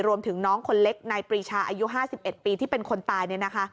รวมถึงน้องคนเล็กนายปรีชาอายุ๕๑ปีที่เป็นคนตาย